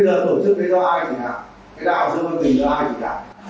thế bây giờ tổ chức này do ai chỉ ngạc cái đạo dương văn mình do ai chỉ ngạc